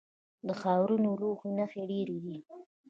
د خاورینو لوښو نښې ډیرې دي